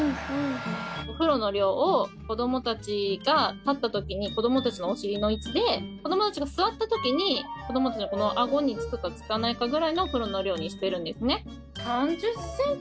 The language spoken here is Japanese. お風呂の量を子どもたちが立ったときに子どもたちのお尻の位置で子どもたちが座ったときに子どもたちのあごにつくかつかないかぐらいのお風呂の量にしてるんですね。